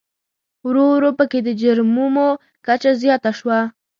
ورو ورو په کې د جرمومو کچه زیاته شوه.